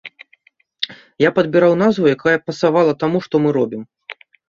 Я падбіраў назву, якая б пасавала таму, што мы робім.